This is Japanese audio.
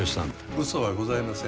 うそはございません。